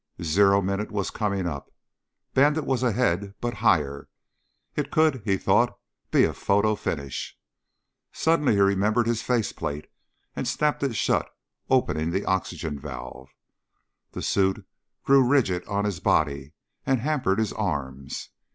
Zero minute was coming up. Bandit was ahead, but higher. It could, he thought, be a photo finish. Suddenly he remembered his face plate and snapped it shut, opening the oxygen valve. The suit grew rigid on his body and hampered his arms.